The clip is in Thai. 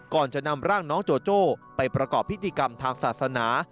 ก่อนจะนำร่างน้องโจโจ้ไปประกอบพิธีกรรมทางศาสนา